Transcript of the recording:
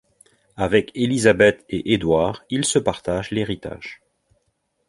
Avec Elisabeth et Edward, ils se partagent l'héritage.